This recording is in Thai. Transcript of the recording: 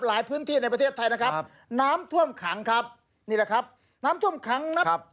ในพื้นที่ในประเทศไทยนะครับน้ำท่วมขังครับนี่แหละครับน้ำท่วมขังนะครับ